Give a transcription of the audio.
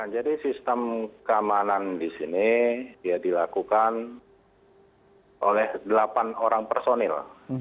jadi sistem keamanan di sini dilakukan oleh delapan orang personil